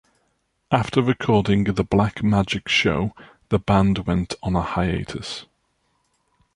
After recording "The Black Magic Show", the band went on a hiatus.